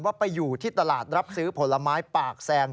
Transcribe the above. ไปอยู่ที่ตลาดรับซื้อผลไม้ปากแซง